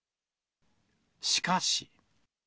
しかし。